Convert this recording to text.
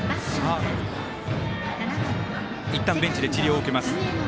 いったんベンチで治療を受けます。